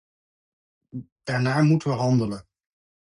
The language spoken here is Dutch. Daarnaar moeten we handelen.